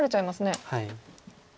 はい。